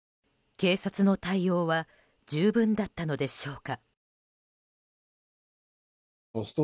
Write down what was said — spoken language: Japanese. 警察の対応は十分だったのでしょうか？